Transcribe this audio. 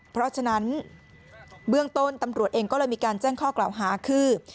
เพราะฉะนั้นเบื้องต้นตำรวจเองก็เลยมีการแจ้งข้อกล่าวหาคือ